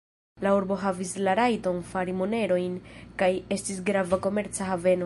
La urbo havis la rajton fari monerojn kaj estis grava komerca haveno.